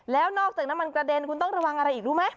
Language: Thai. แล้วนอกจากน้ำมันกระเด็นคุณต้องระวังอะไรอีกรู้ไหม